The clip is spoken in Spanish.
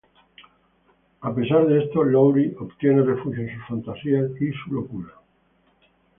A pesar de esto, Lowry obtiene refugio en sus fantasías y su locura.